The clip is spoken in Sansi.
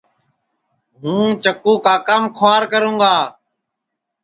ہوں چکُو کاکام کُھنٚار کروں گا